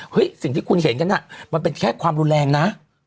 สิ่งที่คุณเห็นกันมันเป็นแค่ความรุนแรงนะ